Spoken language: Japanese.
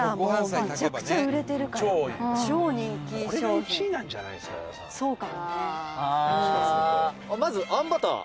宮田：「まず、あんバター」